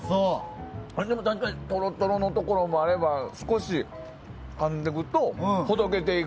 確かにトロトロのところもあれば少しかんでいくとほどけていく。